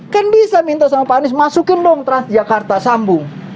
kan bisa minta sama pak anies masukin dong transjakarta sambung